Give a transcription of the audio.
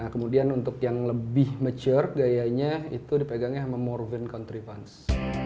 kemudian untuk yang lebih mature gayanya itu di pegangnya sama morven contrivance